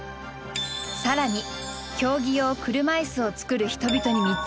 更に競技用車いすを作る人々に密着。